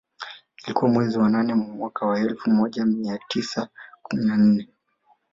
Ilikuwa mwezi wa nane ya mwaka wa elfu moja mia tisa kumi na nne